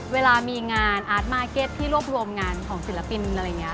เวลามีงานอาร์ตมาร์เก็ตที่รวบรวมงานของศิลปินอะไรอย่างนี้